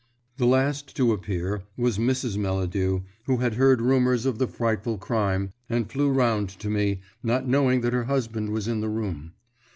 The last to appear was Mrs. Melladew, who had heard rumours of the frightful crime, and who flew round to me, not knowing that her husband was in the room.